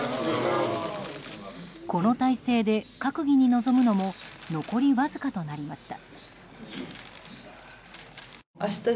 この体制で閣議に臨むのも残りわずかとなりました。